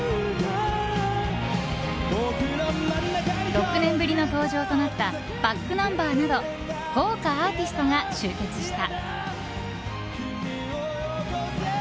６年ぶりの登場となったｂａｃｋｎｕｍｂｅｒなど豪華アーティストが集結した。